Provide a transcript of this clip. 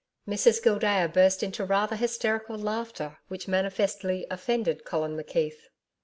Mrs Gildea burst into rather hysterical laughter, which manifestly offended Colin McKeith.